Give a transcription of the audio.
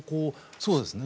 そうですね。